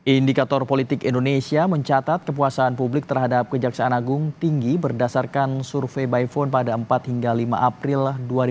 indikator politik indonesia mencatat kepuasan publik terhadap kejaksaan agung tinggi berdasarkan survei by phone pada empat hingga lima april dua ribu dua puluh